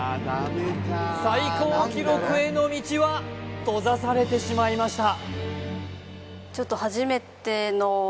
最高記録への道は閉ざされてしまいました